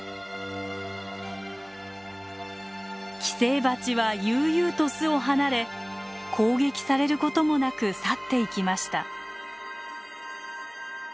寄生バチは悠々と巣を離れ攻撃されることもなく去っていきました。